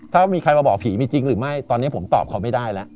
ถ้ามีใครมาบอกผีมีจริงหรือไม่ตอนนี้ผมตอบเขาไม่ได้แล้ว